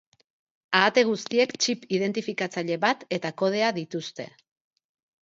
Ahate guztiek txip identifikatzaile bat eta kodea dituzte.